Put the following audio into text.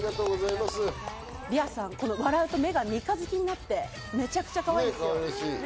リアさん、笑うと目が三日月になって、めちゃくちゃかわいいんです。